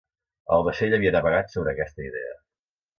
El vaixell havia navegat sobre aquesta idea.